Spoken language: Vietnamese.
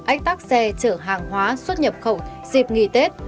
ách tắc xe chở hàng hóa xuất nhập khẩu dịp nghỉ tết